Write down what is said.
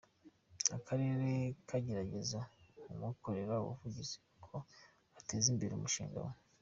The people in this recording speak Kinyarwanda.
Akarere kagerageza kumukorera ubuvugizi ngo ateze imbere umushinga we.